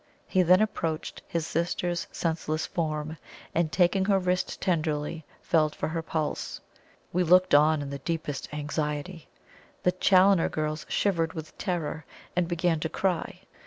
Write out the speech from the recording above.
He then approached his sister's senseless form, and, taking her wrist tenderly, felt for her pulse. We looked on in the deepest anxiety. The Challoner girls shivered with terror, and began to cry.